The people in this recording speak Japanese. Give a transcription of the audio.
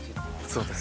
そうですね。